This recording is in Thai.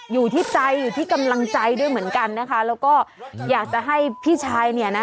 อยู่ที่ใจอยู่ที่กำลังใจด้วยเหมือนกันนะคะแล้วก็อยากจะให้พี่ชายเนี่ยนะ